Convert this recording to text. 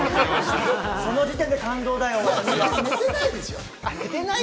その時点で感動だよ。